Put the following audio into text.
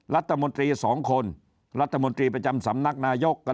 รัฐมนตรี๒คนรัฐมนตรีประจำสำนักนายก